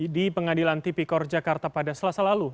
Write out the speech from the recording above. di pengadilan tp kor jakarta pada selasa lalu